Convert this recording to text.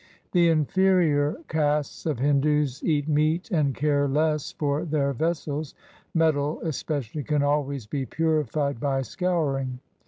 The inferior castes of Hindus eat meat, and care less for their vessels; metal, especially, can always be purified by scouring.